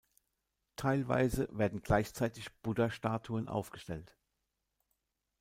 Teilweise werden gleichzeitig Buddha-Statuen aufgestellt.